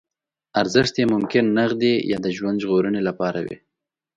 ارزښت یې ممکن نغدي یا د ژوند ژغورنې لپاره وي.